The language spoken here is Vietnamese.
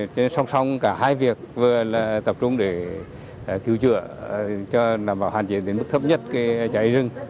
trên song song cả hai việc vừa là tập trung để cứu chữa cho nằm vào hàn chiến đến mức thấp nhất cái cháy rừng